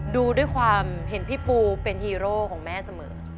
ดูด้วยความเห็นพี่ปูเป็นฮีโร่ของแม่เสมอ